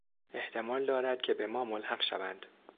احتمال دارد که به ما ملحق شود.